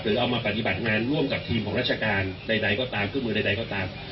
เอามาปฏิบัติงานร่วมกับทีมของราชการใดก็ตามเครื่องมือใดก็ตาม